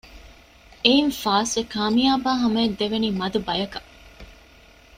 އެއިން ފާސްވެ ކާމިޔާބާ ހަމައަށް ދެވެނީ މަދުބަޔަކަށް